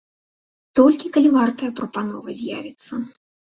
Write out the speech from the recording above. Толькі, калі вартая прапанова з'явіцца.